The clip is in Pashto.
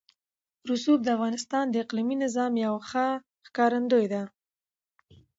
رسوب د افغانستان د اقلیمي نظام یوه ښه ښکارندوی ده.